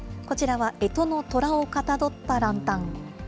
こちらは、えとのとらをかたどったランタン。